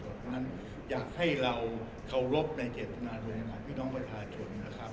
เพราะฉะนั้นอยากให้เราเคารพในเจตนารมณ์ของพี่น้องประชาชนนะครับ